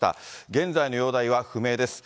現在の容体は不明です。